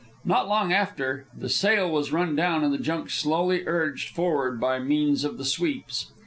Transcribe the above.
Not long after, the sail was run down and the junk slowly urged forward by means of the sweeps.